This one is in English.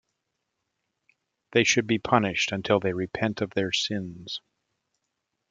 They should be punished until they repent of their sins.